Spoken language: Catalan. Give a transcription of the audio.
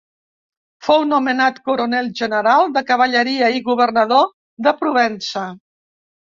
Fou nomenat coronel general de cavalleria i governador de Provença.